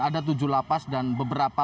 ada tujuh lapas dan beberapa